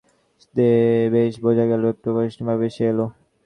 বেশ বোঝা গেল একটু কুণ্ঠিতভাবেই সে এল।